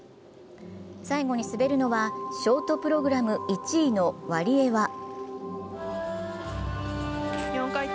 最後に滑るのはショートプログラム１位のワリエワ。